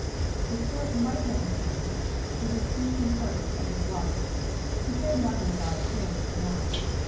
The curate might have returned: she would seek him first at his lodging. She cared nothing about appearances now.